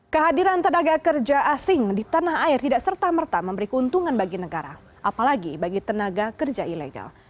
kehadiran tenaga kerja asing di tanah air tidak serta merta memberi keuntungan bagi negara apalagi bagi tenaga kerja ilegal